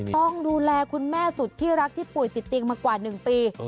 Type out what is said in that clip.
ต้องดูแลคุณแม่สุดที่รักที่ป่วยติดเตียงมากว่า๑ปี